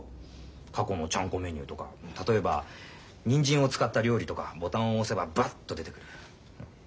過去のちゃんこメニューとか例えばにんじんを使った料理とかボタンを押せばバッと出てくる。